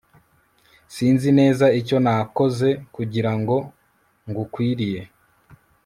sinzi neza icyo nakoze kugirango ngukwiriye